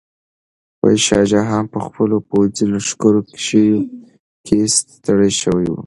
شاه جهان په خپلو پوځي لښکرکشیو کې ستړی شوی و.